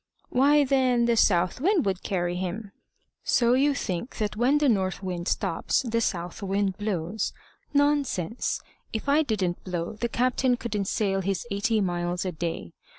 "Why then the south wind would carry him." "So you think that when the north wind stops the south wind blows. Nonsense. If I didn't blow, the captain couldn't sail his eighty miles a day.